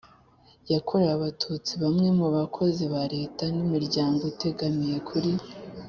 yakorewe Abatutsi bamwe mu bakozi ba Leta n imiryango itegamiye kuri